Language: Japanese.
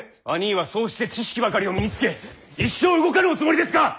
あにぃはそうして知識ばかりを身につけ一生動かぬおつもりですか！